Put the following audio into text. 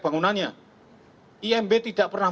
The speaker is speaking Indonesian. bangunannya imb tidak pernah